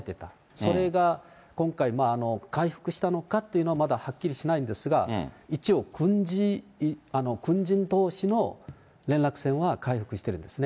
それが今回、回復したのかってのははっきりしないんですが、一応、軍人どうしの連絡線は回復してるんですね。